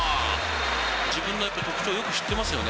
自分の特徴をよく知ってますよね。